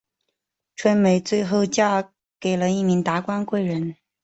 春梅最后嫁给了一名达官贵人。